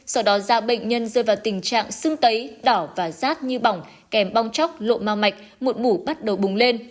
sau đó da bệnh nhân rơi vào tình trạng xưng tấy đỏ và rát như bỏng kèm bong chóc lộ mau mạch mụn mủ bắt đầu bùng lên